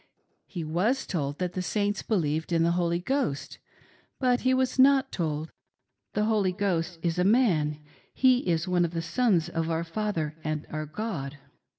He was told that the Saints believed in the Holy Ghost, but he was not told that "The Holy Ghost is a man ; he is one of the sons of our Father and our God.